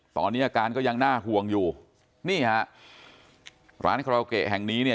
ตอนนี้อาการก็ยังน่าห่วงอยู่นี่ฮะร้านคาราโอเกะแห่งนี้เนี่ย